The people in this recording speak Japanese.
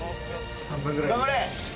頑張れ。